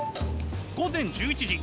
午前１１時。